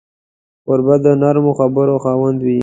کوربه د نرمو خبرو خاوند وي.